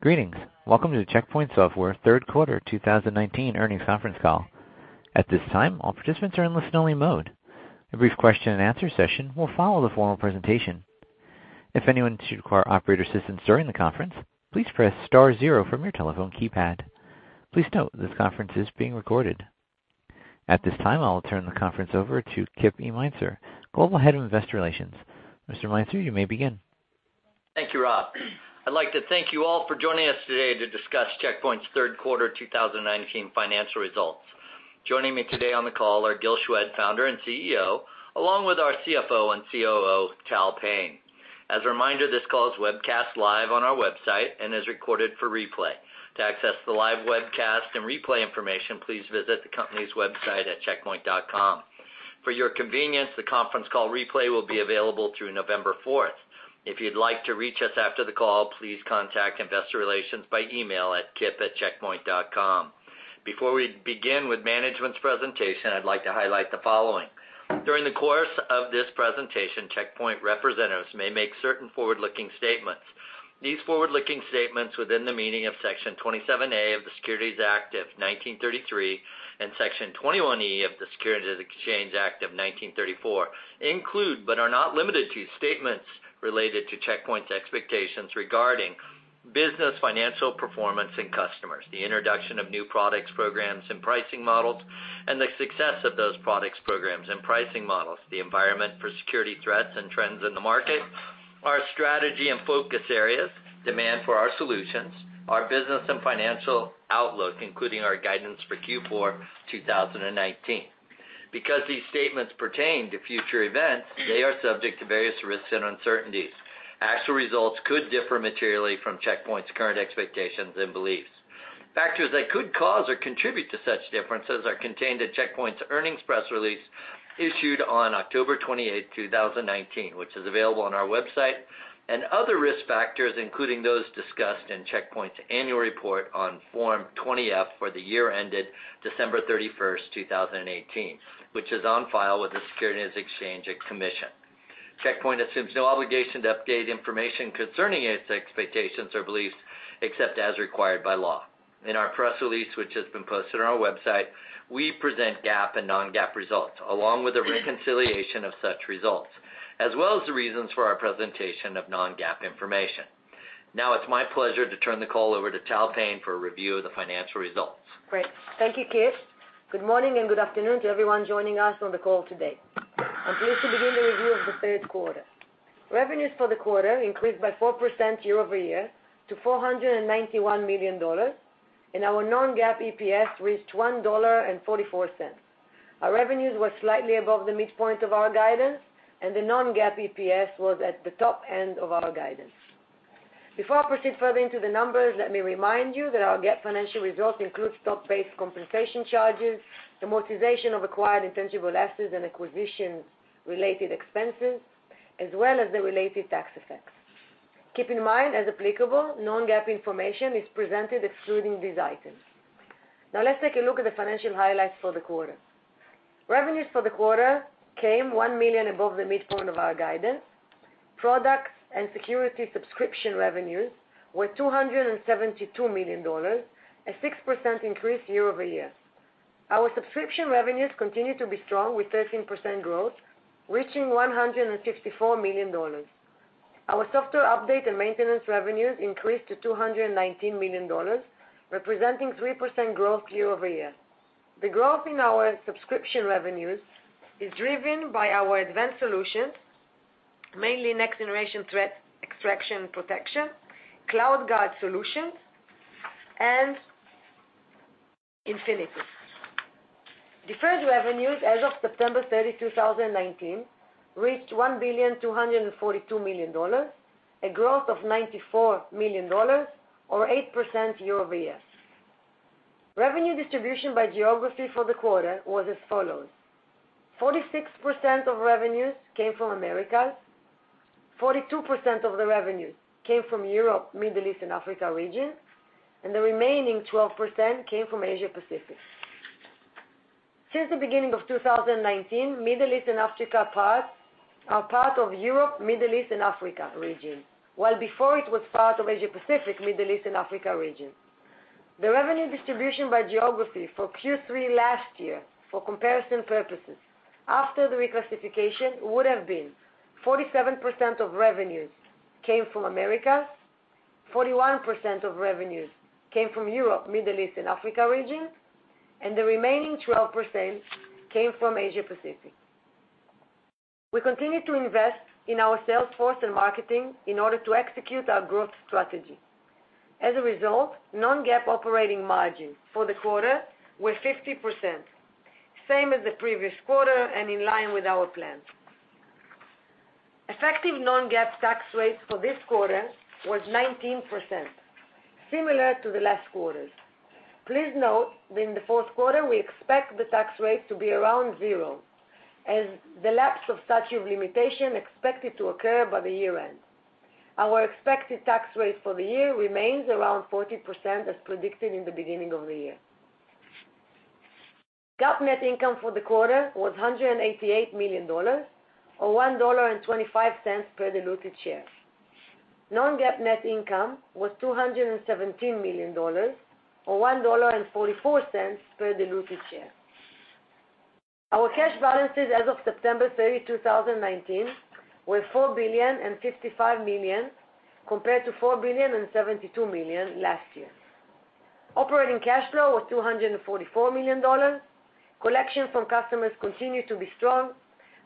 Greetings. Welcome to the Check Point Software third quarter 2019 earnings conference call. At this time, all participants are in listen-only mode. A brief question and answer session will follow the formal presentation. If anyone should require operator assistance during the conference, please press star zero from your telephone keypad. Please note, this conference is being recorded. At this time, I will turn the conference over to Kip Meintzer, Head of Global Investor Relations. Mr. Meintzer, you may begin. Thank you, Rob. I'd like to thank you all for joining us today to discuss Check Point's third quarter 2019 financial results. Joining me today on the call are Gil Shwed, founder and CEO, along with our CFO and COO, Tal Payne. As a reminder, this call is webcast live on our website and is recorded for replay. To access the live webcast and replay information, please visit the company's website at checkpoint.com. For your convenience, the conference call replay will be available through November fourth. If you'd like to reach us after the call, please contact investor relations by email at kip@checkpoint.com. Before we begin with management's presentation, I'd like to highlight the following. During the course of this presentation, Check Point representatives may make certain forward-looking statements. These forward-looking statements within the meaning of Section 27A of the Securities Act of 1933 and Section 21E of the Securities Exchange Act of 1934, include, but are not limited to statements related to Check Point's expectations regarding business, financial performance, and customers, the introduction of new products, programs, and pricing models, and the success of those products, programs, and pricing models, the environment for security threats and trends in the market, our strategy and focus areas, demand for our solutions, our business and financial outlook, including our guidance for Q4 2019. Because these statements pertain to future events, they are subject to various risks and uncertainties. Actual results could differ materially from Check Point's current expectations and beliefs. Factors that could cause or contribute to such differences are contained at Check Point's earnings press release issued on October 28, 2019, which is available on our website, and other risk factors, including those discussed in Check Point's annual report on Form 20-F for the year-ended December 31, 2018, which is on file with the Securities Exchange Commission. Check Point assumes no obligation to update information concerning its expectations or beliefs, except as required by law. In our press release, which has been posted on our website, we present GAAP and non-GAAP results, along with the reconciliation of such results, as well as the reasons for our presentation of non-GAAP information. It's my pleasure to turn the call over to Tal Payne for a review of the financial results. Great. Thank you, Kip. Good morning, good afternoon to everyone joining us on the call today. I'm pleased to begin the review of the third quarter. Revenues for the quarter increased by 4% year-over-year to $491 million. Our non-GAAP EPS reached $1.44. Our revenues were slightly above the midpoint of our guidance. The non-GAAP EPS was at the top end of our guidance. Before I proceed further into the numbers, let me remind you that our GAAP financial results include stock-based compensation charges, amortization of acquired intangible assets, and acquisition-related expenses, as well as the related tax effects. Keep in mind, as applicable, non-GAAP information is presented excluding these items. Let's take a look at the financial highlights for the quarter. Revenues for the quarter came $1 million above the midpoint of our guidance. Products and security subscription revenues were $272 million, a 6% increase year-over-year. Our subscription revenues continue to be strong with 13% growth, reaching $154 million. Our software update and maintenance revenues increased to $219 million, representing 3% growth year-over-year. The growth in our subscription revenues is driven by our advanced solutions, mainly Next-Generation Threat Extraction Protection, CloudGuard solutions, and Infinity. Deferred revenues as of September 30, 2019, reached $1,242 million, a growth of $94 million or 8% year-over-year. Revenue distribution by geography for the quarter was as follows: 46% of revenues came from Americas, 42% of the revenues came from Europe, Middle East, and Africa region, and the remaining 12% came from Asia Pacific. Since the beginning of 2019, Middle East and Africa are part of Europe, Middle East, and Africa region, while before it was part of Asia Pacific, Middle East, and Africa region. The revenue distribution by geography for Q3 last year, for comparison purposes, after the reclassification, would have been 47% of revenues came from Americas, 41% of revenues came from Europe, Middle East, and Africa region, and the remaining 12% came from Asia Pacific. We continue to invest in our sales force and marketing in order to execute our growth strategy. As a result, non-GAAP operating margins for the quarter were 50%, same as the previous quarter and in line with our plans. Effective non-GAAP tax rates for this quarter was 19%, similar to the last quarters. Please note that in the fourth quarter, we expect the tax rate to be around zero, as the lapse of statute of limitation expected to occur by the year-end. Our expected tax rate for the year remains around 40% as predicted in the beginning of the year. GAAP net income for the quarter was $188 million, or $1.25 per diluted share. non-GAAP net income was $217 million or $1.44 per diluted share. Our cash balances as of September 30, 2019, were $4.055 billion compared to $4.072 billion last year. Operating cash flow was $244 million. Collections from customers continue to be strong.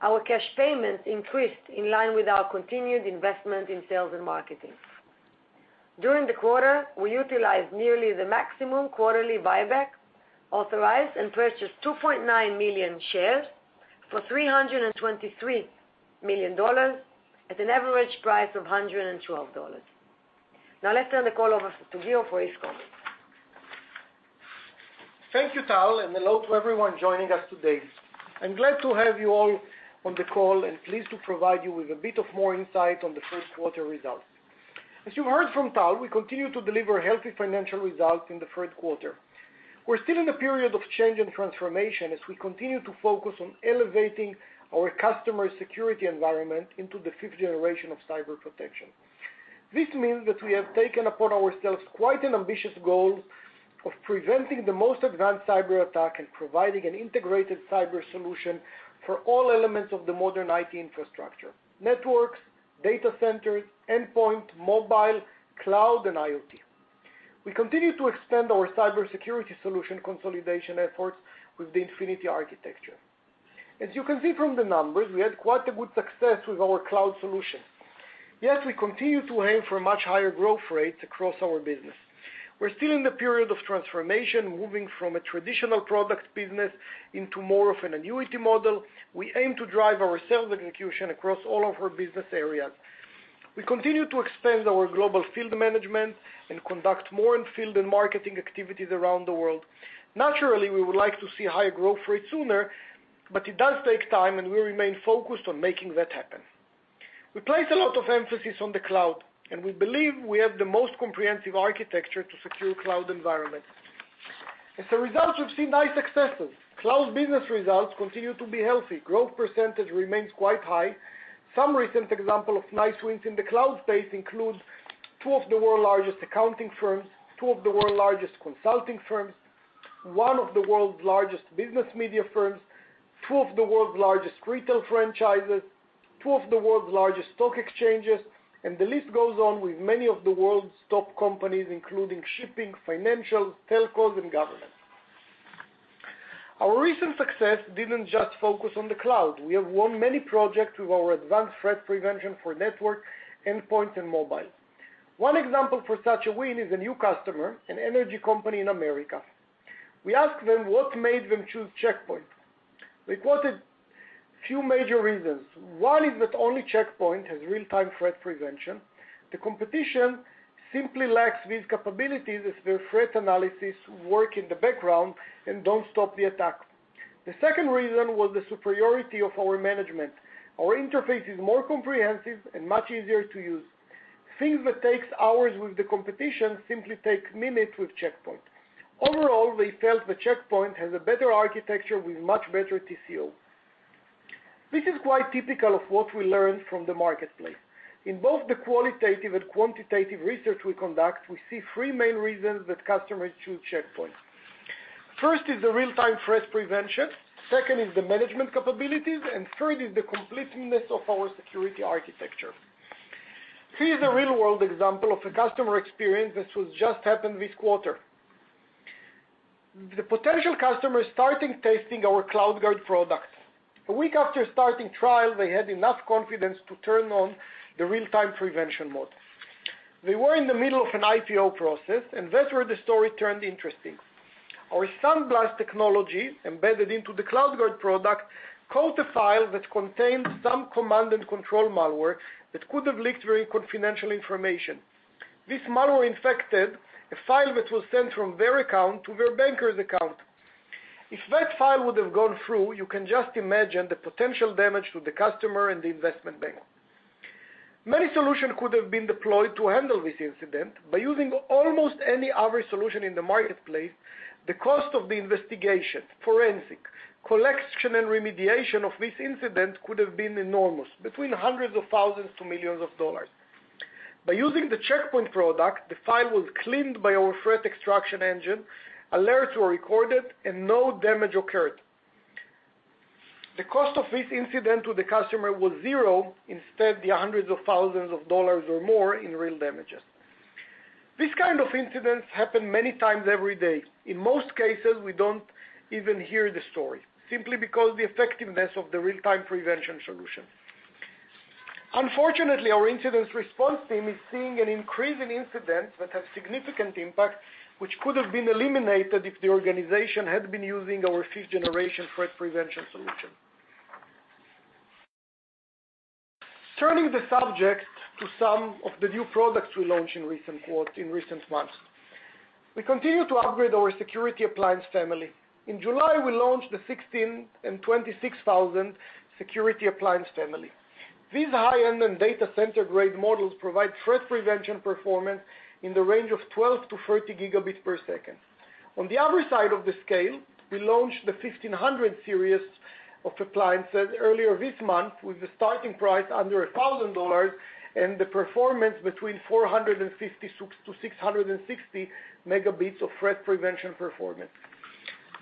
Our cash payments increased in line with our continued investment in sales and marketing. During the quarter, we utilized nearly the maximum quarterly buyback authorized and purchased 2.9 million shares for $323 million at an average price of $112. Let's turn the call over to Gil for his comments. Thank you, Tal, and hello to everyone joining us today. I'm glad to have you all on the call and pleased to provide you with a bit of more insight on the first quarter results. As you heard from Tal, we continue to deliver healthy financial results in the third quarter. We're still in a period of change and transformation as we continue to focus on elevating our customer security environment into the fifth generation of cyber protection. This means that we have taken upon ourselves quite an ambitious goal of preventing the most advanced cyberattack, and providing an integrated cyber solution for all elements of the modern IT infrastructure, networks, data centers, endpoint, mobile, cloud, and IoT. We continue to extend our cybersecurity solution consolidation efforts with the Infinity architecture. As you can see from the numbers, we had quite a good success with our cloud solution. Yet we continue to aim for much higher growth rates across our business. We're still in the period of transformation, moving from a traditional product business into more of an annuity model. We aim to drive our sales execution across all of our business areas. We continue to expand our global field management and conduct more in-field and marketing activities around the world. Naturally, we would like to see higher growth rates sooner, but it does take time, and we remain focused on making that happen. We place a lot of emphasis on the cloud, and we believe we have the most comprehensive architecture to secure cloud environments. As a result, we've seen nice successes. Cloud business results continue to be healthy. Growth % remains quite high. Some recent example of nice wins in the cloud space includes two of the world's largest accounting firms, two of the world's largest consulting firms, one of the world's largest business media firms, two of the world's largest retail franchises, two of the world's largest stock exchanges. The list goes on with many of the world's top companies, including shipping, financial, telcos, and government. Our recent success didn't just focus on the cloud. We have won many projects with our advanced threat prevention for network, endpoint, and mobile. One example for such a win is a new customer, an energy company in America. We asked them what made them choose Check Point. They quoted a few major reasons. One is that only Check Point has real-time threat prevention. The competition simply lacks these capabilities as their threat analysis work in the background and don't stop the attack. The second reason was the superiority of our management. Our interface is more comprehensive and much easier to use. Things that take hours with the competition simply take minutes with Check Point. Overall, they felt the Check Point has a better architecture with much better TCO. This is quite typical of what we learned from the marketplace. In both the qualitative and quantitative research we conduct, we see three main reasons that customers choose Check Point. First is the real-time threat prevention, second is the management capabilities, and third is the completeness of our security architecture. Here is a real-world example of a customer experience that has just happened this quarter. The potential customer is starting testing our CloudGuard products. A week after starting trial, they had enough confidence to turn on the real-time prevention mode. They were in the middle of an IPO process. That's where the story turned interesting. Our SandBlast technology, embedded into the CloudGuard product, caught a file that contained some command and control malware that could have leaked very confidential information. This malware infected a file that was sent from their account to their banker's account. If that file would have gone through, you can just imagine the potential damage to the customer and the investment bank. Many solutions could have been deployed to handle this incident. By using almost any average solution in the marketplace, the cost of the investigation, forensic, collection, and remediation of this incident could have been enormous, between $ hundreds of thousands to $ millions. By using the Check Point product, the file was cleaned by our threat extraction engine, alerts were recorded, and no damage occurred. The cost of this incident to the customer was zero, instead the hundreds of thousands of dollars or more in real damages. These kind of incidents happen many times every day. In most cases, we don't even hear the story, simply because the effectiveness of the real-time prevention solution. Unfortunately, our incident response team is seeing an increase in incidents that have significant impact, which could have been eliminated if the organization had been using our 5th-generation threat prevention solution. Turning the subject to some of the new products we launched in recent months. We continue to upgrade our security appliance family. In July, we launched the 16 and 26,000 security appliance family. These high-end and data center-grade models provide threat prevention performance in the range of 12 to 30 gigabits per second. On the other side of the scale, we launched the 1500 series of appliances earlier this month with the starting price under $1,000, and the performance between 450 megabits-660 megabits of threat prevention performance.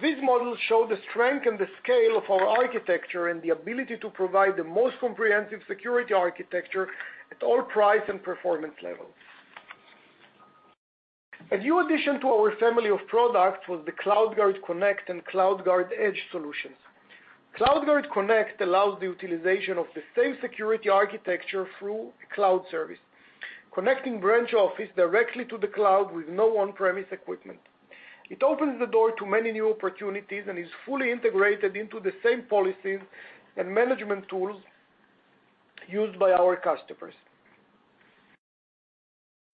These models show the strength and the scale of our architecture and the ability to provide the most comprehensive security architecture at all price and performance levels. A new addition to our family of products was the CloudGuard Connect and CloudGuard Edge solutions. CloudGuard Connect allows the utilization of the same security architecture through a cloud service, connecting branch office directly to the cloud with no on-premise equipment. It opens the door to many new opportunities and is fully integrated into the same policies and management tools used by our customers.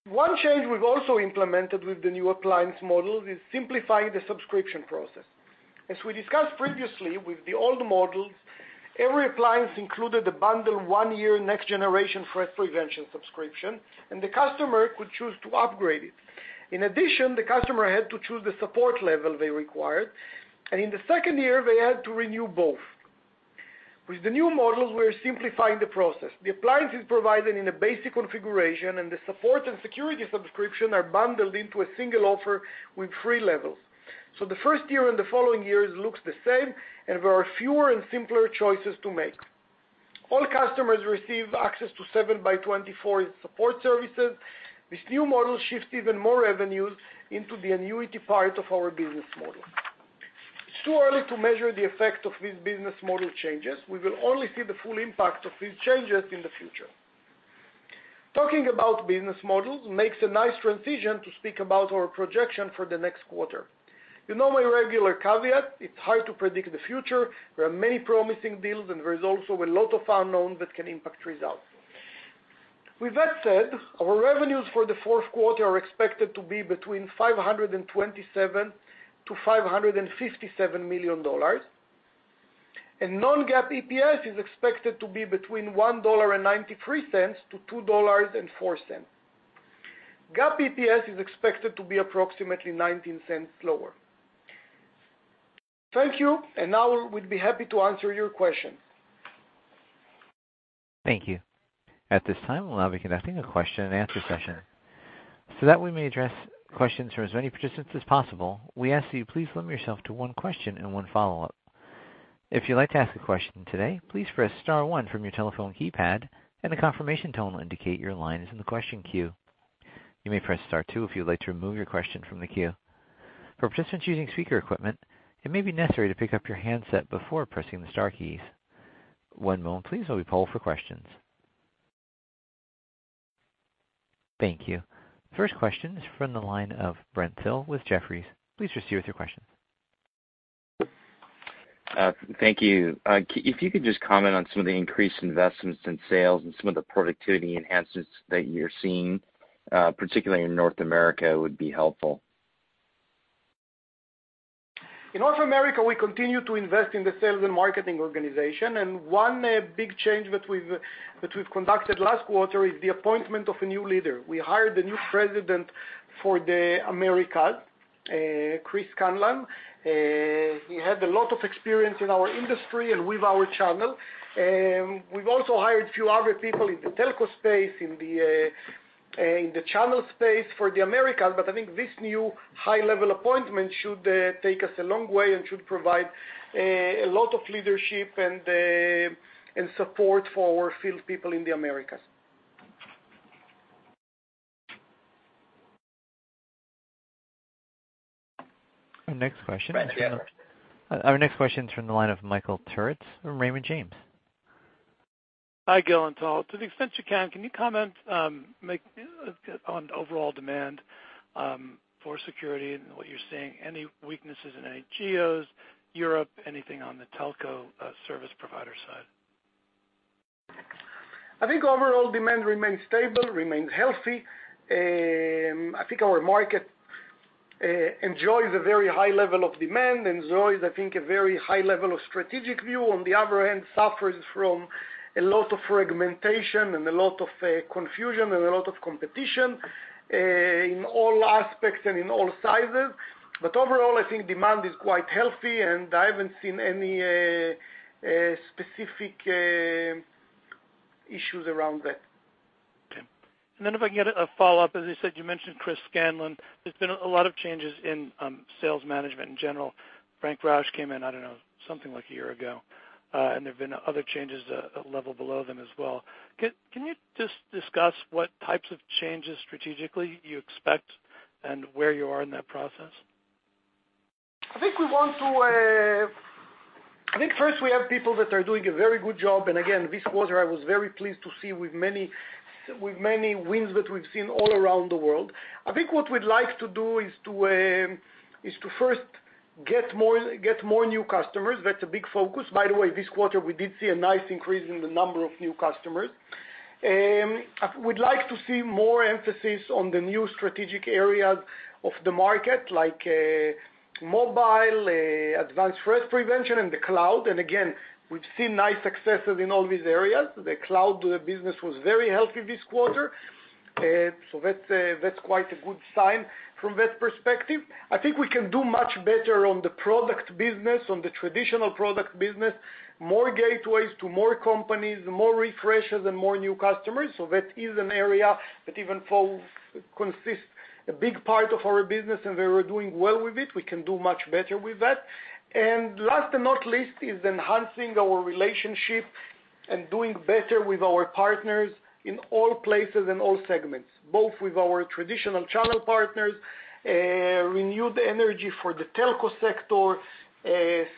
One change we've also implemented with the new appliance model is simplifying the subscription process. As we discussed previously, with the old models, every appliance included a bundled one-year Next Generation Threat Prevention subscription, and the customer could choose to upgrade it. In addition, the customer had to choose the support level they required, and in the second year, they had to renew both. With the new models, we're simplifying the process. The appliance is provided in a basic configuration, and the support and security subscription are bundled into a single offer with 3 levels. The first year and the following years looks the same, and there are fewer and simpler choices to make. All customers receive access to 7 by 24 support services. This new model shifts even more revenues into the annuity part of our business model. It's too early to measure the effect of these business model changes. We will only see the full impact of these changes in the future. Talking about business models makes a nice transition to speak about our projection for the next quarter. You know my regular caveat, it's hard to predict the future. There are many promising deals, and there is also a lot of unknowns that can impact results. With that said, our revenues for the fourth quarter are expected to be between $527 million-$557 million. Non-GAAP EPS is expected to be between $1.93-$2.04. GAAP EPS is expected to be approximately $0.19 lower. Thank you, and now we'd be happy to answer your questions. Thank you. At this time, we'll now be conducting a question and answer session. That we may address questions from as many participants as possible, we ask that you please limit yourself to one question and one follow-up. If you'd like to ask a question today, please press star one from your telephone keypad, and a confirmation tone will indicate your line is in the question queue. You may press star two if you would like to remove your question from the queue. For participants using speaker equipment, it may be necessary to pick up your handset before pressing the star keys. One moment please while we poll for questions. Thank you. First question is from the line of Brent Thill with Jefferies. Please proceed with your question. Thank you. If you could just comment on some of the increased investments in sales and some of the productivity enhancements that you're seeing, particularly in North America, it would be helpful. In North America, we continue to invest in the sales and marketing organization, one big change that we've conducted last quarter is the appointment of a new leader. We hired a new President for the Americas, Chris Scanlan. He had a lot of experience in our industry and with our channel. We've also hired a few other people in the telco space, in the channel space for the Americas. I think this new high-level appointment should take us a long way and should provide a lot of leadership and support for our field people in the Americas. Our next question. Brent, Jefferies. Our next question's from the line of Michael Turits from Raymond James. Hi, Gil and Tal. To the extent you can you comment on overall demand for security and what you're seeing, any weaknesses in any geos, Europe, anything on the telco service provider side? I think overall demand remains stable, remains healthy. I think our market enjoys a very high level of demand, enjoys, I think, a very high level of strategic view. On the other hand, suffers from a lot of fragmentation and a lot of confusion and a lot of competition in all aspects and in all sizes. Overall, I think demand is quite healthy, and I haven't seen any specific issues around that. Okay. If I can get a follow-up, as I said, you mentioned Chris Scanlan. There's been a lot of changes in sales management in general. Frank Rauch came in, I don't know, something like a year ago. There have been other changes a level below them as well. Can you just discuss what types of changes strategically you expect and where you are in that process? I think first, we have people that are doing a very good job. Again, this quarter, I was very pleased to see with many wins that we've seen all around the world. I think what we'd like to do is to first get more new customers. That's a big focus. By the way, this quarter, we did see a nice increase in the number of new customers. We'd like to see more emphasis on the new strategic areas of the market, like mobile, advanced threat prevention, and the cloud. Again, we've seen nice successes in all these areas. The cloud business was very healthy this quarter, so that's quite a good sign from that perspective. I think we can do much better on the product business, on the traditional product business, more gateways to more companies, more refreshes, and more new customers. That is an area that even though consists a big part of our business and we were doing well with it, we can do much better with that. Last but not least, is enhancing our relationship and doing better with our partners in all places and all segments, both with our traditional channel partners, renewed energy for the telco sector,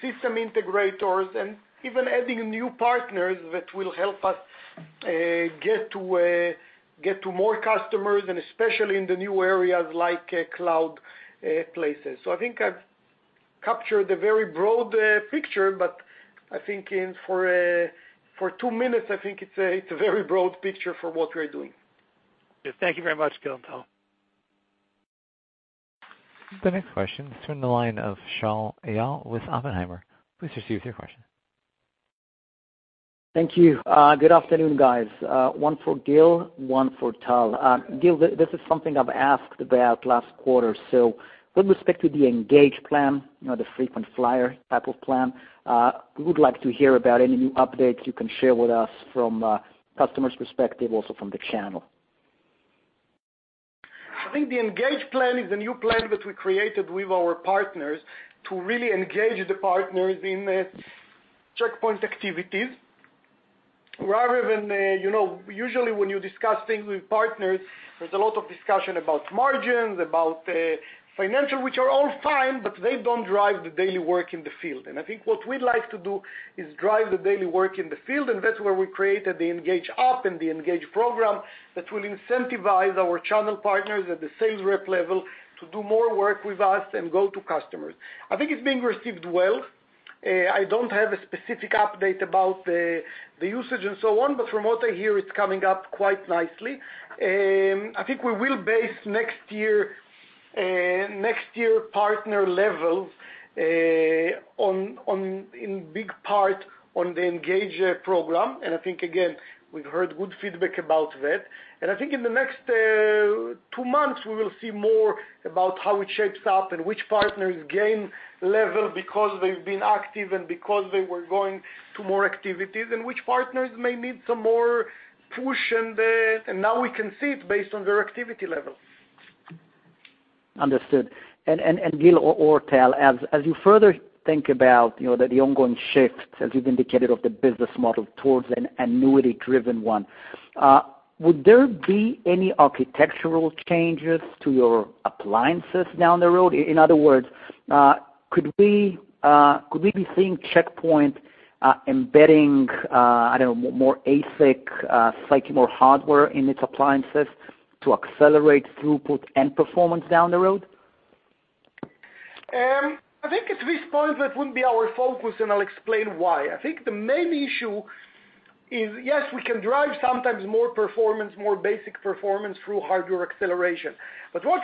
system integrators, and even adding new partners that will help us get to more customers, and especially in the new areas like cloud places. I think I've captured a very broad picture, but I think for two minutes, I think it's a very broad picture for what we're doing. Thank you very much, Gil and Tal. The next question is from the line of Shaul Eyal with Oppenheimer. Please proceed with your question. Thank you. Good afternoon, guys. One for Gil, one for Tal. Gil, this is something I've asked about last quarter. With respect to the Engage plan, the frequent flyer type of plan, we would like to hear about any new updates you can share with us from a customer's perspective, also from the channel. I think the Engage plan is the new plan that we created with our partners to really engage the partners in Check Point activities rather than, usually when you discuss things with partners, there's a lot of discussion about margins, about financial, which are all fine, but they don't drive the daily work in the field. I think what we'd like to do is drive the daily work in the field, and that's where we created the Engage app and the Engage program that will incentivize our channel partners at the sales rep level to do more work with us and go to customers. I think it's being received well. I don't have a specific update about the usage and so on, but from what I hear, it's coming up quite nicely. I think we will base next year partner levels in big part on the Engage program, and I think, again, we've heard good feedback about that. I think in the next two months, we will see more about how it shapes up and which partners gain level because they've been active and because they were going to more activities, and which partners may need some more push, and now we can see it based on their activity level. Understood. Gil or Tal, as you further think about the ongoing shift, as you've indicated, of the business model towards an annuity-driven one, would there be any architectural changes to your appliances down the road? In other words, could we be seeing Check Point embedding, I don't know, more ASIC-like or hardware in its appliances to accelerate throughput and performance down the road? I think at this point, that wouldn't be our focus, and I'll explain why. What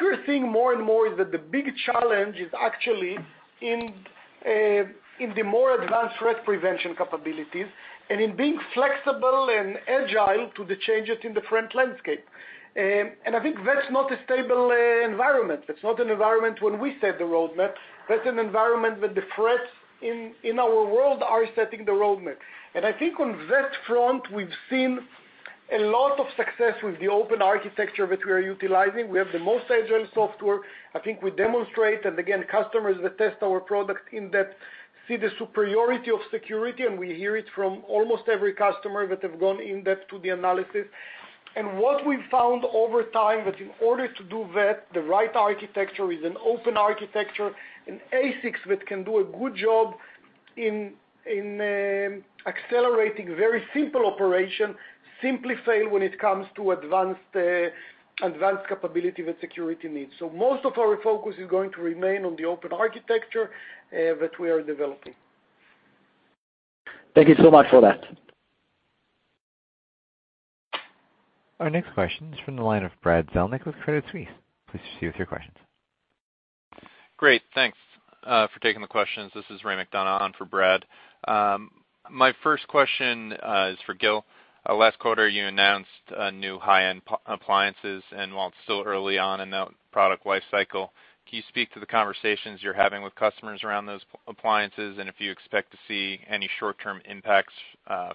we're seeing more and more is that the big challenge is actually in the more advanced threat prevention capabilities and in being flexible and agile to the changes in the threat landscape. I think that's not a stable environment. That's not an environment when we set the roadmap. That's an environment where the threats in our world are setting the roadmap. I think on that front, we've seen a lot of success with the open architecture that we are utilizing. We have the most agile software. I think we demonstrate, again, customers that test our product in-depth see the superiority of security. We hear it from almost every customer that have gone in-depth to the analysis. What we've found over time that in order to do that, the right architecture is an open architecture. ASICs that can do a good job in accelerating very simple operation simply fail when it comes to advanced capability that security needs. Most of our focus is going to remain on the open architecture that we are developing. Thank you so much for that. Our next question is from the line of Brad Zelnick with Credit Suisse. Please proceed with your questions. Great. Thanks for taking the questions. This is Ray McDonough on for Brad. My first question is for Gil. Last quarter, you announced new high-end appliances, and while it's still early on in that product life cycle, can you speak to the conversations you're having with customers around those appliances, and if you expect to see any short-term impacts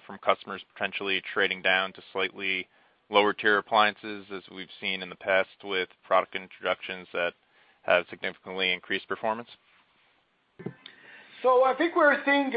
from customers potentially trading down to slightly lower-tier appliances as we've seen in the past with product introductions that have significantly increased performance? I think we're seeing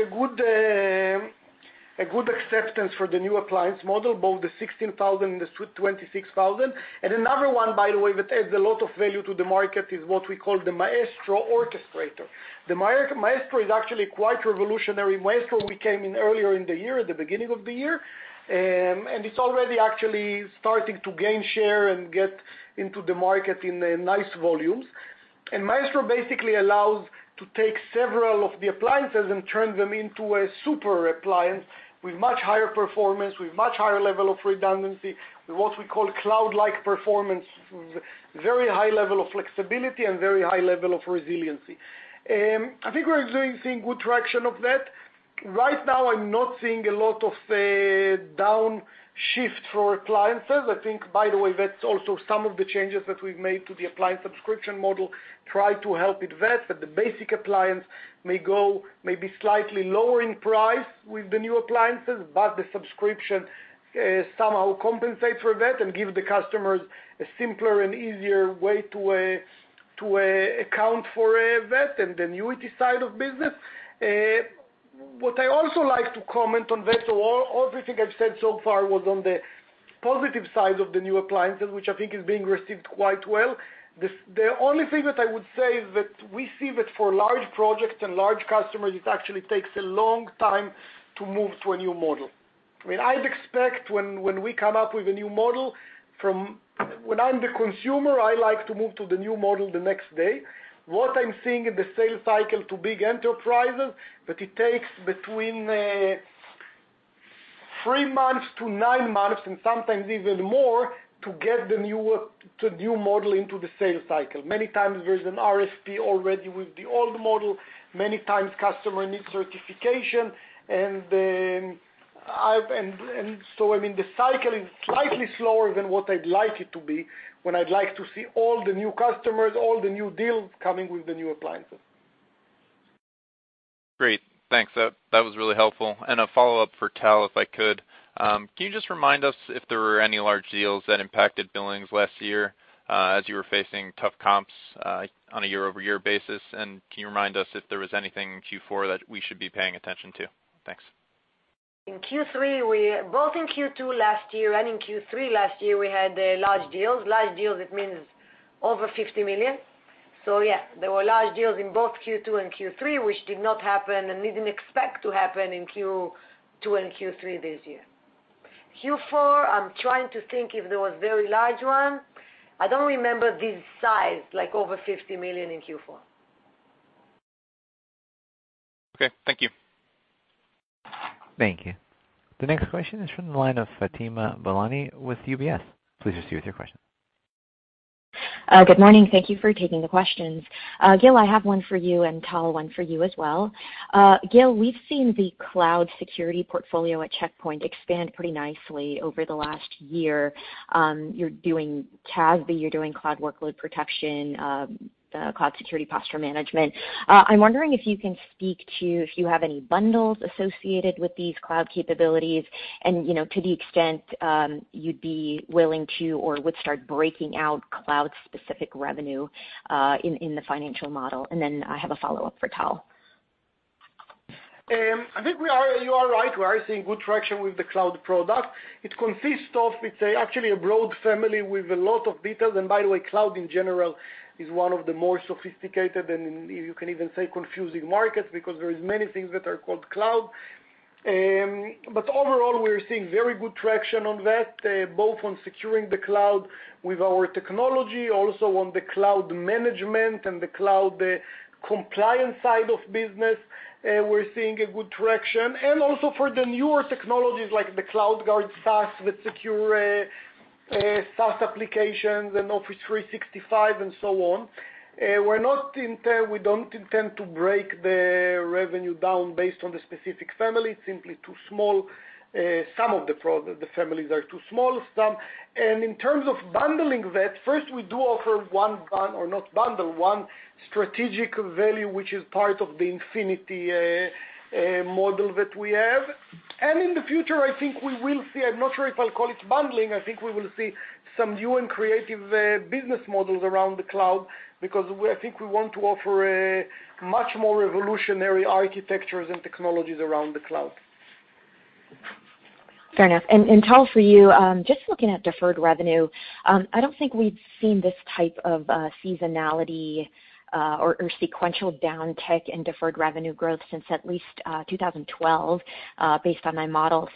a good acceptance for the new appliance model, both the 16,000 and the 26,000. Another one, by the way, that adds a lot of value to the market is what we call the Maestro Orchestrator. The Maestro is actually quite revolutionary. Maestro, we came in earlier in the year, at the beginning of the year, it's already actually starting to gain share and get into the market in nice volumes. Maestro basically allows to take several of the appliances and turn them into a super appliance with much higher performance, with much higher level of redundancy, with what we call cloud-like performance, very high level of flexibility and very high level of resiliency. I think we're seeing good traction of that. Right now, I'm not seeing a lot of downshift for appliances. I think, by the way, that's also some of the changes that we've made to the appliance subscription model, try to help it, that the basic appliance may be slightly lower in price with the new appliances, but the subscription somehow compensates for that and give the customers a simpler and easier way to account for that and the annuity side of business. What I also like to comment on that, all the things I've said so far was on the positive side of the new appliances, which I think is being received quite well. The only thing that I would say is that we see that for large projects and large customers, it actually takes a long time to move to a new model. I'd expect when we come up with a new model, when I'm the consumer, I like to move to the new model the next day. What I'm seeing in the sales cycle to big enterprises, that it takes between three months to nine months, and sometimes even more, to get the new model into the sales cycle. Many times there's an RFP already with the old model. Many times customer needs certification. The cycle is slightly slower than what I'd like it to be, when I'd like to see all the new customers, all the new deals coming with the new appliances. Great. Thanks. That was really helpful. A follow-up for Tal, if I could. Can you just remind us if there were any large deals that impacted billings last year, as you were facing tough comps, on a year-over-year basis, and can you remind us if there was anything in Q4 that we should be paying attention to? Thanks. In Q3, both in Q2 last year and in Q3 last year, we had large deals. Large deals, it means over $50 million. Yeah. There were large deals in both Q2 and Q3, which did not happen and didn't expect to happen in Q2 and Q3 this year. Q4, I'm trying to think if there was very large one. I don't remember this size, like over $50 million in Q4. Okay. Thank you. Thank you. The next question is from the line of Fatima Boolani with UBS. Please proceed with your question. Good morning. Thank you for taking the questions. Gil, I have one for you, and Tal, one for you as well. Gil, we've seen the cloud security portfolio at Check Point expand pretty nicely over the last year. You're doing CASB, you're doing cloud workload protection, cloud security posture management. I'm wondering if you can speak to if you have any bundles associated with these cloud capabilities and, to the extent, you'd be willing to or would start breaking out cloud-specific revenue, in the financial model. I have a follow-up for Tal. I think you are right. We are seeing good traction with the cloud product. It's actually a broad family with a lot of details. By the way, cloud in general is one of the more sophisticated, and you can even say confusing markets, because there is many things that are called cloud. Overall, we're seeing very good traction on that, both on securing the cloud with our technology, also on the cloud management and the cloud compliance side of business. We're seeing a good traction. Also for the newer technologies like the CloudGuard SaaS that secure SaaS applications and Office 365 and so on. We don't intend to break the revenue down based on the specific family. It's simply too small. Some of the families are too small. In terms of bundling that, first, we do offer one strategic value, which is part of the Infinity model that we have. In the future, I think we will see, I'm not sure if I'll call it bundling, I think we will see some new and creative business models around the cloud, because I think we want to offer much more revolutionary architectures and technologies around the cloud. Fair enough. Tal, for you, just looking at deferred revenue, I don't think we've seen this type of seasonality, or sequential down tick in deferred revenue growth since at least 2012, based on my model.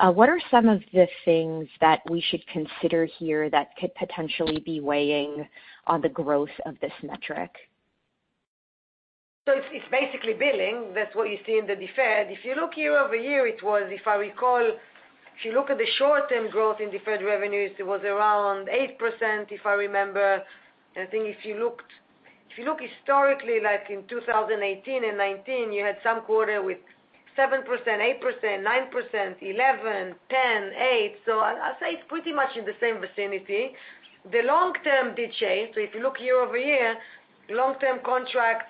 What are some of the things that we should consider here that could potentially be weighing on the growth of this metric? It's basically billing. That's what you see in the deferred. If you look year-over-year, it was, if I recall, if you look at the short-term growth in deferred revenues, it was around 8%, if I remember. I think if you looked historically, like in 2018 and 2019, you had some quarter with 7%, 8%, 9%, 11%, 10%, 8%. I'll say it's pretty much in the same vicinity. The long term did change. If you look year-over-year, long-term contracts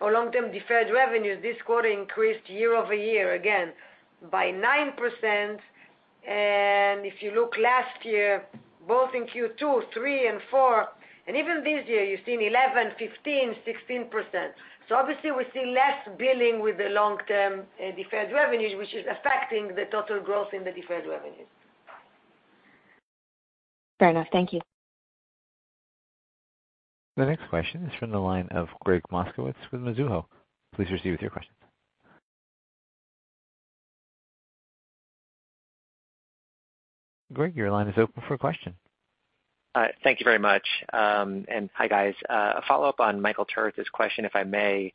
or long-term deferred revenues this quarter increased year-over-year again by 9%. If you look last year, both in Q2, 3 and 4, and even this year, you've seen 11%, 15%, 16%. Obviously, we're seeing less billing with the long-term deferred revenues, which is affecting the total growth in the deferred revenues. Fair enough. Thank you. The next question is from the line of Gregg Moskowitz with Mizuho. Please proceed with your question. Gregg, your line is open for a question. Thank you very much, hi, guys. A follow-up on Michael Turits' question, if I may.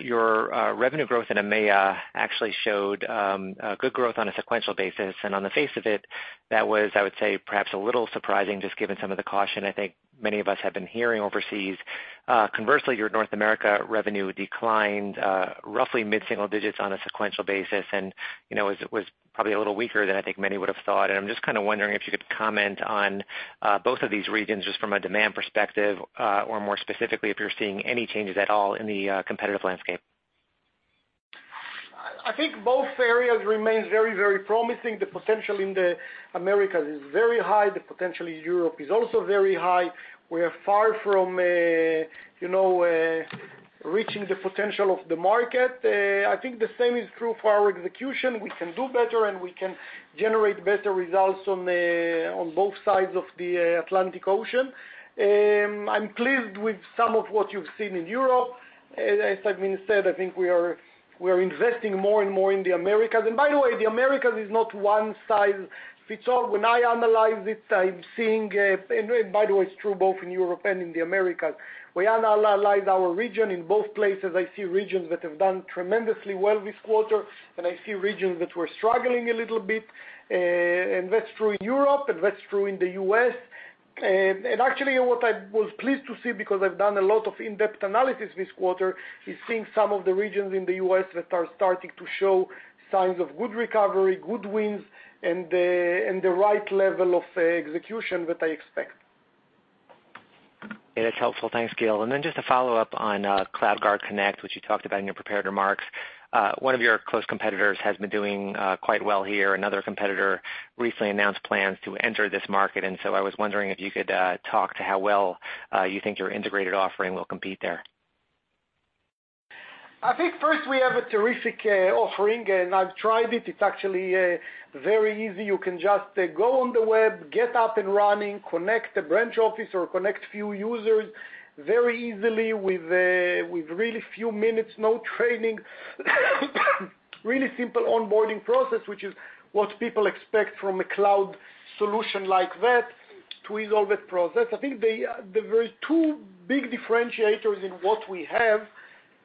Your revenue growth in EMEA actually showed good growth on a sequential basis. On the face of it, that was, I would say, perhaps a little surprising, just given some of the caution I think many of us have been hearing overseas. Conversely, your North America revenue declined roughly mid-single digits on a sequential basis and was probably a little weaker than I think many would've thought. I'm just kind of wondering if you could comment on both of these regions, just from a demand perspective, or more specifically, if you're seeing any changes at all in the competitive landscape. I think both areas remain very promising. The potential in the Americas is very high. The potential in Europe is also very high. We're far from reaching the potential of the market. I think the same is true for our execution. We can do better, and we can generate better results on both sides of the Atlantic Ocean. I'm pleased with some of what you've seen in Europe. As I've said, I think we are investing more and more in the Americas. By the way, the Americas is not one size fits all. When I analyze it, by the way, it's true both in Europe and in the Americas. We analyze our region in both places. I see regions that have done tremendously well this quarter, and I see regions that were struggling a little bit. That's true in Europe, and that's true in the U.S. Actually, what I was pleased to see, because I've done a lot of in-depth analysis this quarter, is seeing some of the regions in the U.S. that are starting to show signs of good recovery, good wins, and the right level of execution that I expect. Yeah, that's helpful. Thanks, Gil. Then just a follow-up on CloudGuard Connect, which you talked about in your prepared remarks. One of your close competitors has been doing quite well here. Another competitor recently announced plans to enter this market, and so I was wondering if you could talk to how well you think your integrated offering will compete there. I think first we have a terrific offering, and I've tried it. It's actually very easy. You can just go on the web, get up and running, connect a branch office or connect few users very easily with really few minutes, no training. Really simple onboarding process, which is what people expect from a cloud solution like that to ease all that process. I think there were two big differentiators in what we have.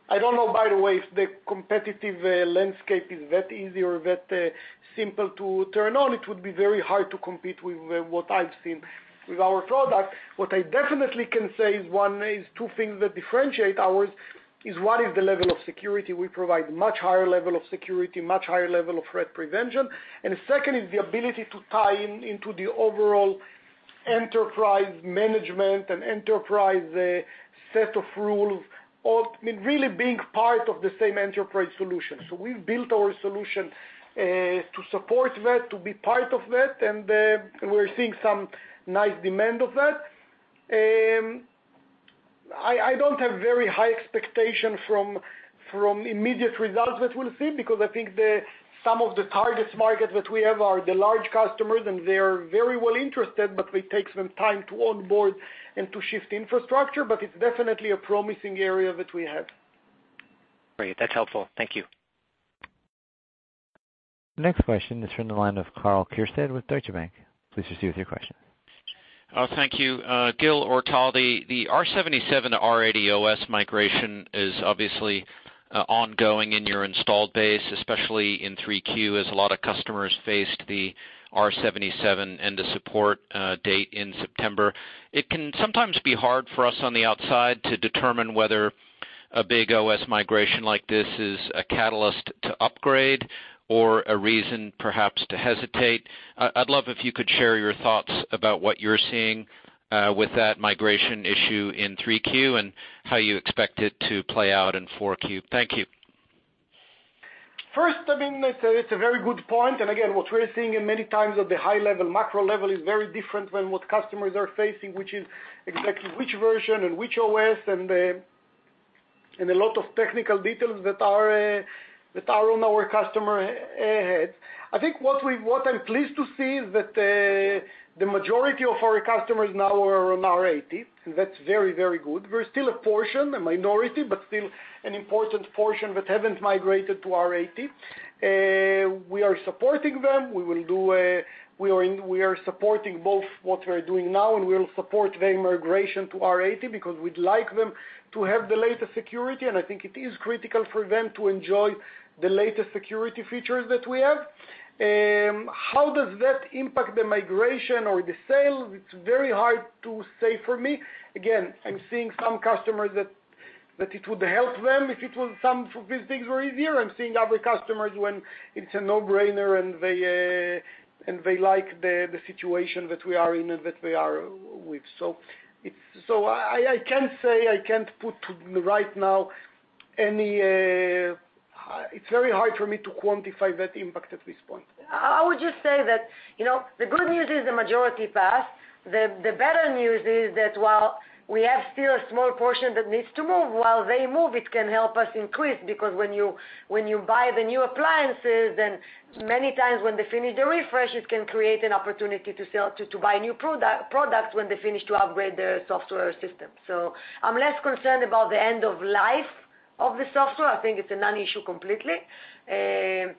I don't know, by the way, if the competitive landscape is that easy or that simple to turn on. It would be very hard to compete with what I've seen with our product. What I definitely can say is two things that differentiate ours is, one is the level of security. We provide much higher level of security, much higher level of threat prevention. Second is the ability to tie into the overall enterprise management and enterprise set of rules, really being part of the same enterprise solution. We've built our solution to support that, to be part of that, and we're seeing some nice demand of that. I don't have very high expectation from immediate results that we'll see because I think some of the target markets that we have are the large customers, and they're very well interested, but it takes them time to onboard and to shift infrastructure, but it's definitely a promising area that we have. Great. That's helpful. Thank you. Next question is from the line of Karl Keirstead with Deutsche Bank. Please proceed with your question. Thank you. Gil, Tal, the R77 to R80 OS migration is obviously ongoing in your installed base, especially in 3Q, as a lot of customers faced the R77 end of support date in September. It can sometimes be hard for us on the outside to determine whether a big OS migration like this is a catalyst to upgrade or a reason perhaps to hesitate. I'd love if you could share your thoughts about what you're seeing with that migration issue in 3Q and how you expect it to play out in 4Q. Thank you. First, I mean, it's a very good point. Again, what we are seeing in many times at the high level, macro level, is very different than what customers are facing, which is exactly which version and which OS and a lot of technical details that are on our customer heads. I think what I'm pleased to see is that the majority of our customers now are on R80. That's very good. There's still a portion, a minority, but still an important portion that haven't migrated to R80. We are supporting them. We are supporting both what we're doing now, and we'll support their migration to R80 because we'd like them to have the latest security, and I think it is critical for them to enjoy the latest security features that we have. How does that impact the migration or the sale? It's very hard to say for me. I'm seeing some customers that it would help them if some of these things were easier. I'm seeing other customers when it's a no-brainer, and they like the situation that we are in and that we are with. I can say, I can't put right now, it's very hard for me to quantify that impact at this point. I would just say that the good news is the majority passed. The better news is that while we have still a small portion that needs to move, while they move, it can help us increase because when you buy the new appliances, and many times when they finish the refresh, it can create an opportunity to buy new products when they finish to upgrade their software system. I'm less concerned about the end of life of the software, I think it's a non-issue completely. If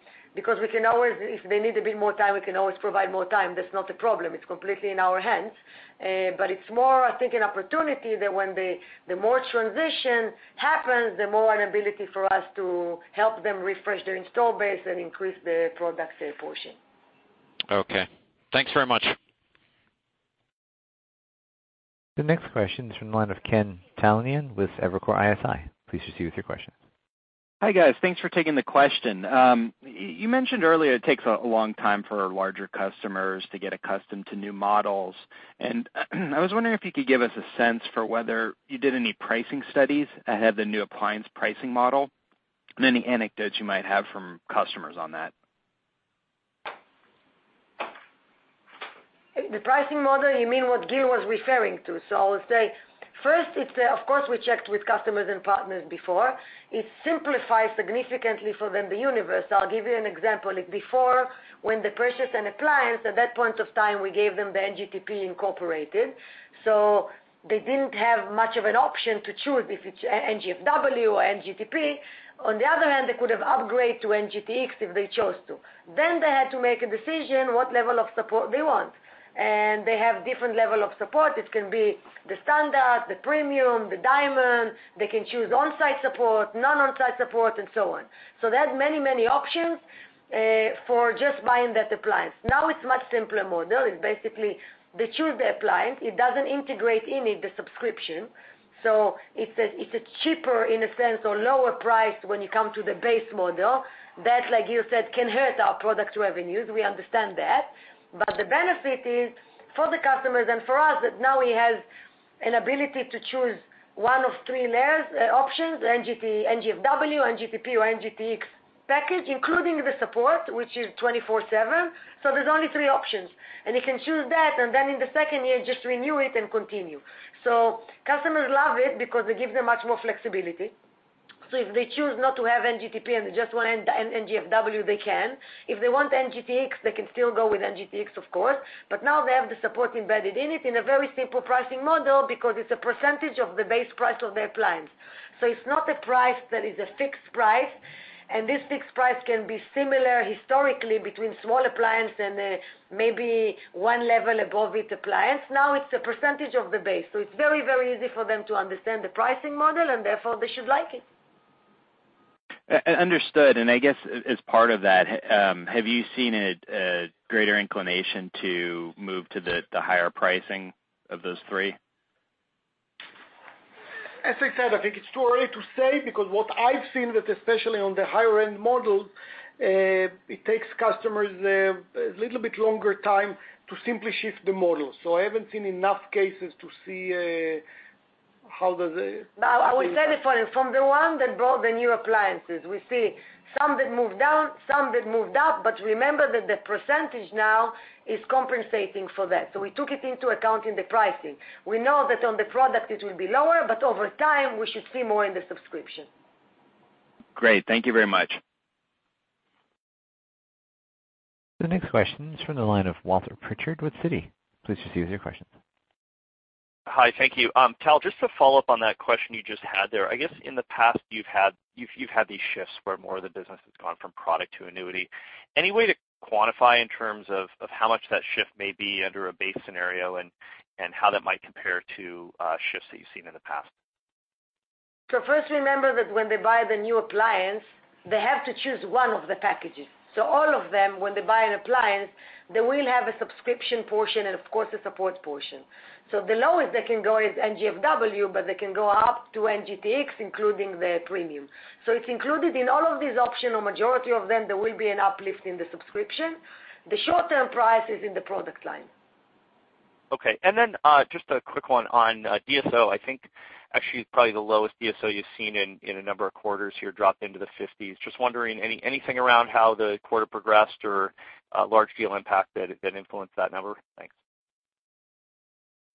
they need a bit more time, we can always provide more time. That's not a problem. It's completely in our hands. It's more, I think, an opportunity that when the more transition happens, the more an ability for us to help them refresh their install base and increase the product sale portion. Okay. Thanks very much. The next question is from the line of Ken Talanian with Evercore ISI. Please proceed with your question. Hi, guys. Thanks for taking the question. You mentioned earlier it takes a long time for larger customers to get accustomed to new models, and I was wondering if you could give us a sense for whether you did any pricing studies ahead of the new appliance pricing model and any anecdotes you might have from customers on that. The pricing model, you mean what Gil was referring to. I'll say, first, of course, we checked with customers and partners before. It simplifies significantly for them the universe. I'll give you an example. Like before, when they purchase an appliance, at that point of time, we gave them the NGTP incorporated, so they didn't have much of an option to choose if it's NGFW or NGTP. On the other hand, they could have upgraded to NGTX if they chose to. They had to make a decision what level of support they want. They have different level of support. It can be the standard, the premium, the diamond. They can choose on-site support, non-on-site support, and so on. They had many options for just buying that appliance. Now it's much simpler model. It's basically they choose the appliance. It doesn't integrate in it the subscription, so it's cheaper in a sense or lower price when you come to the base model. That, like Gil said, can hurt our product revenues. We understand that. The benefit is for the customers and for us that now we have an ability to choose one of three layers, options, NGFW, NGTP, or NGTX package, including the support, which is 24 seven. There's only three options, and you can choose that, and then in the second year, just renew it and continue. Customers love it because it gives them much more flexibility. If they choose not to have NGTP and they just want NGFW, they can. If they want NGTX, they can still go with NGTX of course, but now they have the support embedded in it in a very simple pricing model because it's a percentage of the base price of the appliance. It's not a price that is a fixed price, and this fixed price can be similar historically between small appliance and maybe 1 level above it appliance. Now it's a percentage of the base, so it's very easy for them to understand the pricing model, and therefore, they should like it. Understood. I guess as part of that, have you seen a greater inclination to move to the higher pricing of those three? As I said, I think it's too early to say because what I've seen that especially on the higher-end models, it takes customers a little bit longer time to simply shift the model. I haven't seen enough cases to see. Now, I will say this one. From the one that brought the new appliances, we see some that moved down, some that moved up, but remember that the percentage now is compensating for that. We took it into account in the pricing. We know that on the product it will be lower, but over time, we should see more in the subscription. Great. Thank you very much. The next question is from the line of Walter Pritchard with Citi. Please proceed with your question. Hi. Thank you. Tal, just to follow up on that question you just had there. I guess in the past, you've had these shifts where more of the business has gone from product to annuity. Any way to quantify in terms of how much that shift may be under a base scenario and how that might compare to shifts that you've seen in the past? First, remember that when they buy the new appliance, they have to choose one of the packages. All of them, when they buy an appliance, they will have a subscription portion and of course, a support portion. The lowest they can go is NGFW, but they can go up to NGTX, including the premium. It's included in all of these options, or majority of them, there will be an uplift in the subscription. The short-term price is in the product line. Okay. Just a quick one on DSO. I think actually, probably the lowest DSO you've seen in a number of quarters here dropped into the fifties. Just wondering, anything around how the quarter progressed or large deal impact that influenced that number? Thanks.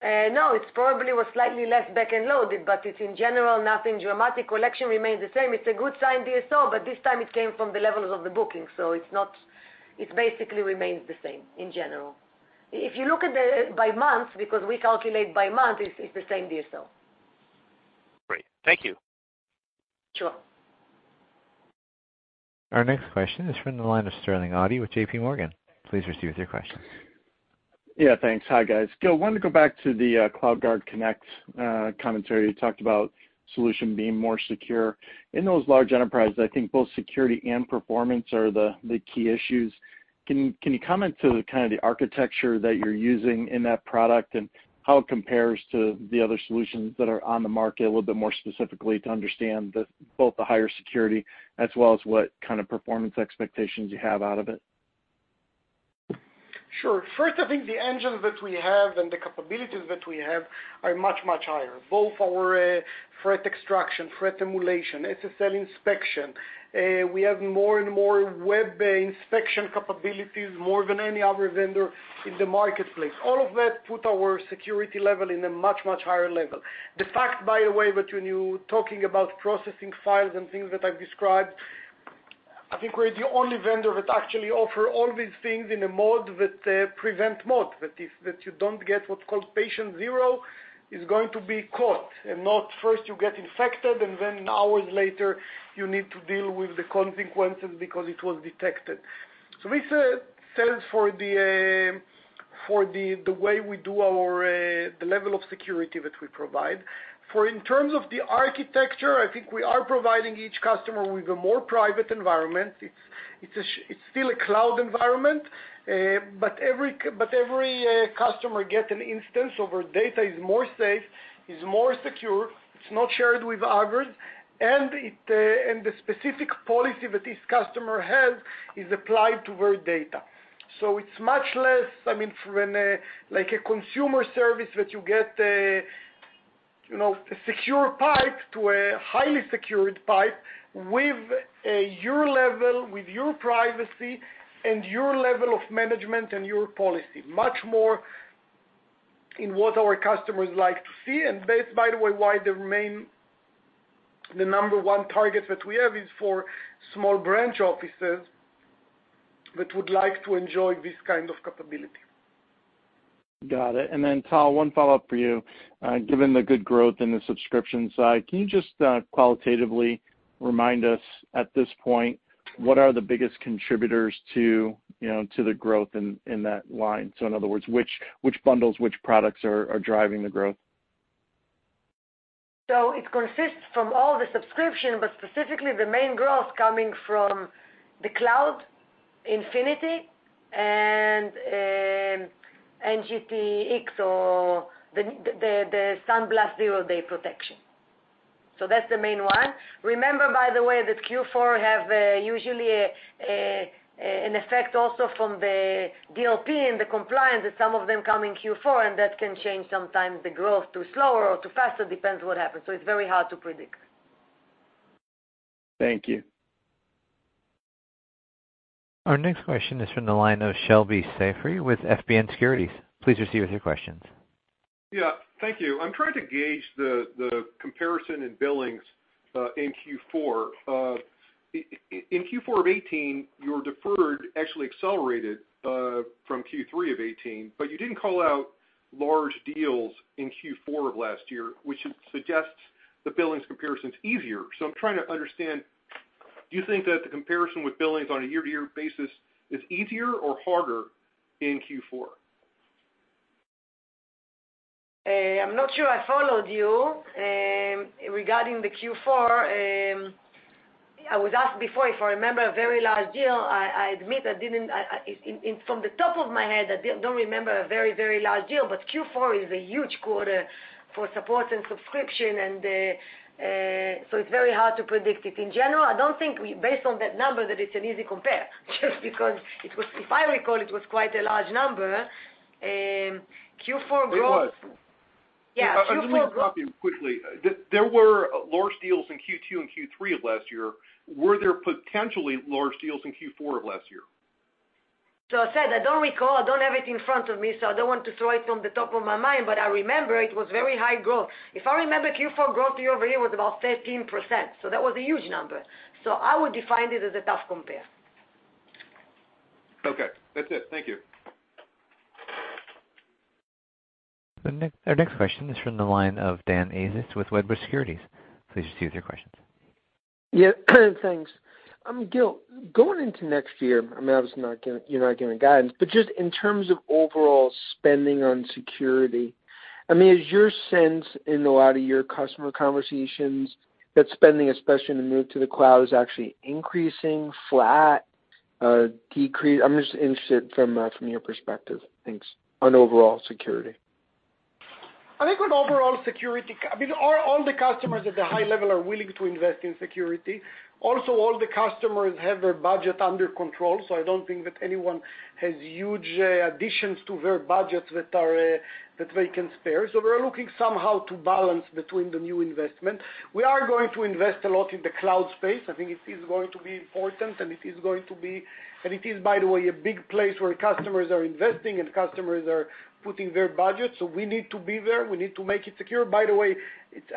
No, it probably was slightly less back and loaded, but it's in general, nothing dramatic. Collection remains the same. It's a good sign, DSO, but this time it came from the levels of the booking, so it basically remains the same in general. If you look at it by month, because we calculate by month, it's the same DSO. Great. Thank you. Sure. Our next question is from the line of Sterling Auty with JP Morgan. Please proceed with your question. Yeah. Thanks. Hi, guys. Gil, wanted to go back to the CloudGuard Connect commentary. You talked about solution being more secure. In those large enterprises, I think both security and performance are the key issues. Can you comment to kind of the architecture that you're using in that product and how it compares to the other solutions that are on the market a little bit more specifically to understand both the higher security as well as what kind of performance expectations you have out of it? First, I think the engines that we have and the capabilities that we have are much, much higher, both our threat extraction, threat emulation, SSL inspection. We have more and more web-based inspection capabilities, more than any other vendor in the marketplace. All of that put our security level in a much, much higher level. The fact, by the way, that when you talking about processing files and things that I've described, I think we're the only vendor that actually offer all these things in a mode that prevent mode, that you don't get what's called patient zero is going to be caught, and not first you get infected, and then hours later, you need to deal with the consequences because it was detected. This stands for the way we do the level of security that we provide. In terms of the architecture, I think we are providing each customer with a more private environment. It's still a cloud environment. Every customer gets an instance of where data is more safe, is more secure, it's not shared with others, and the specific policy that this customer has is applied to their data. It's much less, from like a consumer service that you get a secure pipe to a highly secured pipe with your level, with your privacy, and your level of management and your policy. Much more in what our customers like to see, that's, by the way, why the main, the number one target that we have is for small branch offices that would like to enjoy this kind of capability. Got it. Then Tal, one follow-up for you. Given the good growth in the subscription side, can you just qualitatively remind us, at this point, what are the biggest contributors to the growth in that line? In other words, which bundles, which products are driving the growth? It consists from all the subscription, but specifically the main growth coming from the Cloud, Infinity and NGTX, or the SandBlast Zero-Day Protection. That's the main one. Remember, by the way, that Q4 have usually an effect also from the DLP and the compliance, that some of them come in Q4, and that can change sometimes the growth to slower or to faster, depends what happens. It's very hard to predict. Thank you. Our next question is from the line of Shebly Seyrafi with FBN Securities. Please proceed with your questions. Yeah. Thank you. I'm trying to gauge the comparison in billings, in Q4. In Q4 of 2018, your deferred actually accelerated, from Q3 of 2018, but you didn't call out large deals in Q4 of last year, which suggests the billings comparison's easier. I'm trying to understand, do you think that the comparison with billings on a year-to-year basis is easier or harder in Q4? I'm not sure I followed you. Regarding the Q4, I was asked before if I remember a very large deal. I admit, from the top of my head, I don't remember a very, very large deal. Q4 is a huge quarter for support and subscription. It's very hard to predict it. In general, I don't think based on that number, that it's an easy compare. Just because if I recall, it was quite a large number. Q4 growth- It was. Yeah. Q4 growth. Let me stop you quickly. There were large deals in Q2 and Q3 of last year. Were there potentially large deals in Q4 of last year? I said, I don't recall. I don't have it in front of me, so I don't want to throw it from the top of my mind, but I remember it was very high growth. If I remember, Q4 growth year-over-year was about 13%, so that was a huge number. I would define it as a tough compare. Okay. That's it. Thank you. Our next question is from the line of Dan Ives with Wedbush Securities. Please proceed with your questions. Yeah, thanks. Gil, going into next year, I mean, obviously you're not giving guidance, but just in terms of overall spending on security, is your sense in a lot of your customer conversations that spending, especially in the move to the cloud, is actually increasing, flat, decrease? I'm just interested from your perspective. Thanks. On overall security. I think with overall security, all the customers at the high level are willing to invest in security. All the customers have their budget under control, so I don't think that anyone has huge additions to their budgets that they can spare. We're looking somehow to balance between the new investment. We are going to invest a lot in the cloud space. I think it is going to be important, and it is, by the way, a big place where customers are investing and customers are putting their budget. We need to be there. We need to make it secure. By the way,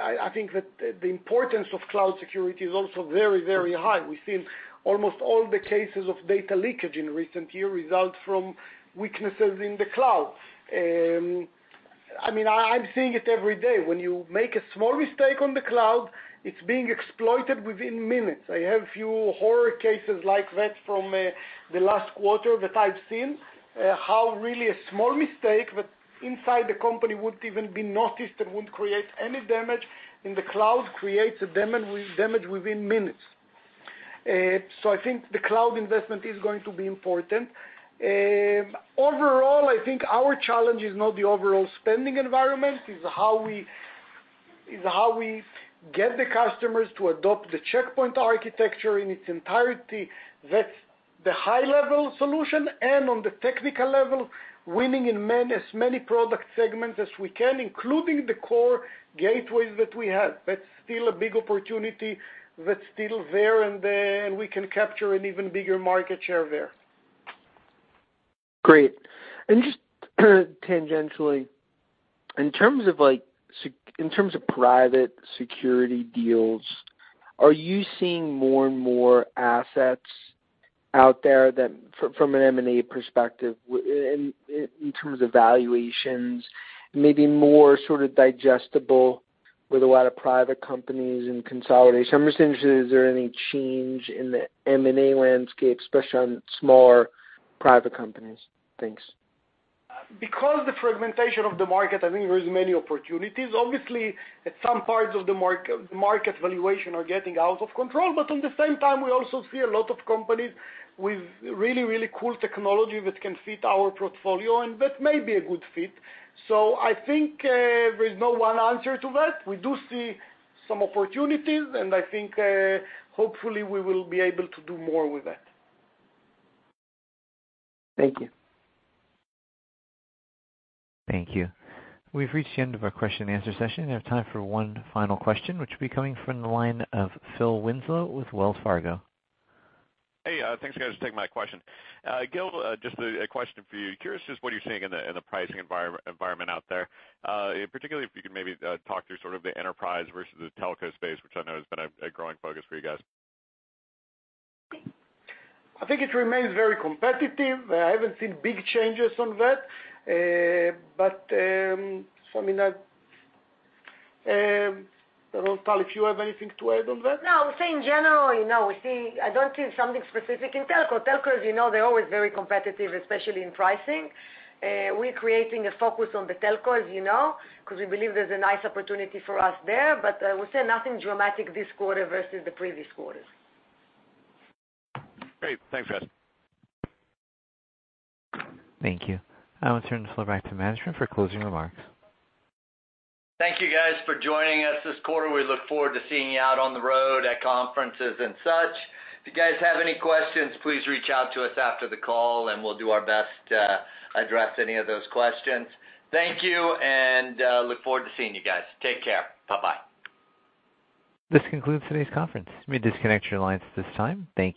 I think that the importance of cloud security is also very, very high. We've seen almost all the cases of data leakage in recent years result from weaknesses in the cloud. I'm seeing it every day. When you make a small mistake on the cloud, it's being exploited within minutes. I have a few horror cases like that from the last quarter that I've seen, how really a small mistake, that inside the company wouldn't even be noticed and wouldn't create any damage, in the cloud, creates damage within minutes. I think the cloud investment is going to be important. Overall, I think our challenge is not the overall spending environment, it's how we get the customers to adopt the Check Point architecture in its entirety. That's the high-level solution, and on the technical level, winning in as many product segments as we can, including the core gateways that we have. That's still a big opportunity that's still there, and we can capture an even bigger market share there. Great. Just tangentially, in terms of private security deals, are you seeing more and more assets out there from an M&A perspective, in terms of valuations, maybe more sort of digestible with a lot of private companies and consolidation? I'm just interested, is there any change in the M&A landscape, especially on smaller private companies? Thanks. The fragmentation of the market, I think there is many opportunities. Obviously, at some parts of the market, valuation are getting out of control. At the same time, we also see a lot of companies with really cool technology that can fit our portfolio, and that may be a good fit. I think, there's no one answer to that. We do see some opportunities, and I think, hopefully, we will be able to do more with that. Thank you. Thank you. We've reached the end of our question and answer session. We have time for one final question, which will be coming from the line of Phil Winslow with Wells Fargo. Hey, thanks guys for taking my question. Gil, just a question for you. Curious just what you're seeing in the pricing environment out there. Particularly, if you could maybe talk through sort of the enterprise versus the telco space, which I know has been a growing focus for you guys. I think it remains very competitive. I haven't seen big changes on that. Tal, if you have anything to add on that? I would say in general, I don't see something specific in telco. Telcos, they're always very competitive, especially in pricing. We're creating a focus on the telcos, because we believe there's a nice opportunity for us there. I would say nothing dramatic this quarter versus the previous quarters. Great. Thanks, guys. Thank you. I will turn the floor back to management for closing remarks. Thank you guys for joining us this quarter. We look forward to seeing you out on the road, at conferences and such. If you guys have any questions, please reach out to us after the call and we'll do our best to address any of those questions. Thank you, and look forward to seeing you guys. Take care. Bye-bye. This concludes today's conference. You may disconnect your lines at this time. Thank you.